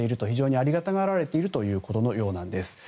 非常にありがたがられているということなんです。